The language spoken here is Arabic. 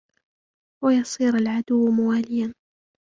وَيَصِيرَ الْعَدُوُّ مُوَالِيًا